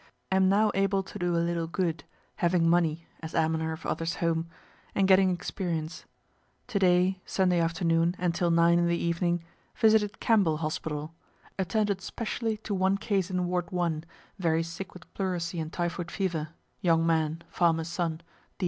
Am now able to do a little good, having money, (as almoner of others home,) and getting experience. To day, Sunday afternoon and till nine in the evening, visited Campbell hospital; attended specially to one case in ward I, very sick with pleurisy and typhoid fever, young man, farmer's son, D.